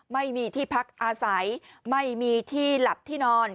ไม่มีที่พักอาศัยไม่มีที่หลับที่นอน